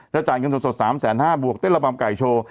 แล้วจ่ายเงินสดสด๓แสน๕บวกเต้นระบำไก่โชว์